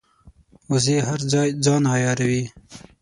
وزې هر ځای ځان عیاروي